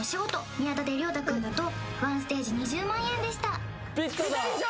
宮舘涼太君だと１ステージ２０万円でしたピタリ賞！